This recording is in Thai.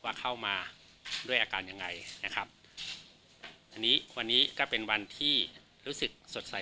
ว่าเข้ามาด้วยอาการยังไงนะครับอันนี้วันนี้ก็เป็นวันที่รู้สึกสดใส